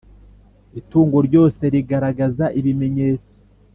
Itungo ryose rigaragaza ibimenyetso